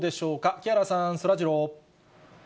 木原さん、そらジロー。